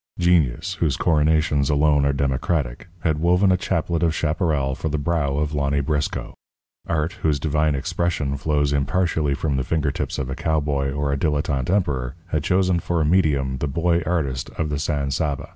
Genius, whose coronations alone are democratic, had woven a chaplet of chaparral for the brow of Lonny Briscoe. Art, whose divine expression flows impartially from the fingertips of a cowboy or a dilettante emperor, had chosen for a medium the Boy Artist of the San Saba.